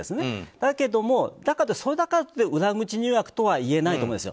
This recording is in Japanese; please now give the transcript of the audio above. だけどもそれだけで裏口入学とは言えないと思うんですよ。